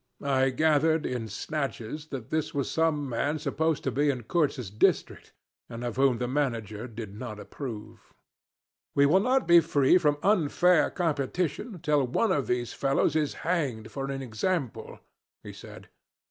I gathered in snatches that this was some man supposed to be in Kurtz's district, and of whom the manager did not approve. 'We will not be free from unfair competition till one of these fellows is hanged for an example,' he said.